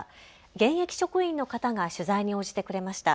現役職員の方が取材に応じてくれました。